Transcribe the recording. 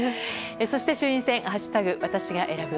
そして、衆院選「＃私が選ぶ」